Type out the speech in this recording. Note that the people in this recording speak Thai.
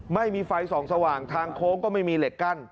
ไม่มีไฟส่องสว่างทางโค้งก็ไม่มีเหล็กกั้น